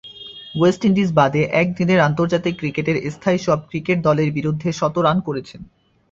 West Indies বাদে একদিনের আন্তর্জাতিক ক্রিকেটের স্থায়ী সব ক্রিকেট দলের বিরুদ্ধে শতরান করেছেন।